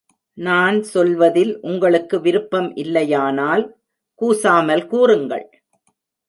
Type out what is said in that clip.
நான் சொல்வதில் உங்களுக்கு விருப்பம் இல்லையானால், கூசாமல் கூறுங்கள்.